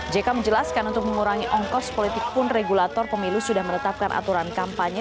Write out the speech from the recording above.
jk menjelaskan untuk mengurangi ongkos politik pun regulator pemilu sudah menetapkan aturan kampanye